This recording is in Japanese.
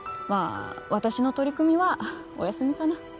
まあ私の取り組みはお休みかな